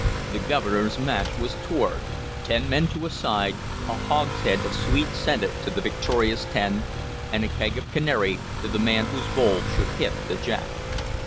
The Governor's match was toward, ten men to a side, a hogshead of sweet scented to the victorious ten, and a keg of canary to the man whose bowl should hit the jack.